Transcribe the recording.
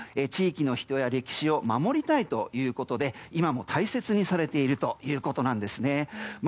地域の人や歴史を守りたいということで今も大切にされているということなんです。